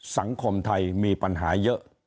สวัสดีครับท่านผู้ชมครับสวัสดีครับท่านผู้ชมครับคุณออมครับ